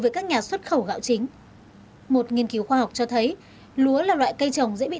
với các nhà xuất khẩu gạo chính một nghiên cứu khoa học cho thấy lúa là loại cây trồng dễ bị